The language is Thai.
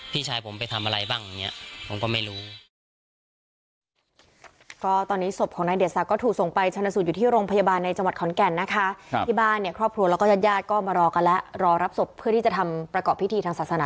พี่ชายผมไปทำอะไรบ้างอย่างนี้ผมก็ไม่รู้